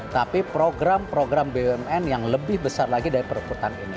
tapi program program bumn yang lebih besar lagi dari perebutan ini